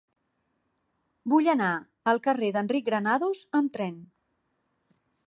Vull anar al carrer d'Enric Granados amb tren.